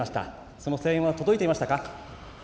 その声援は届いてましたか？